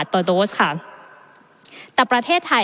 ประเทศอื่นซื้อในราคาประเทศอื่น